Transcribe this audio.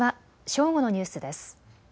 正午のニュースです。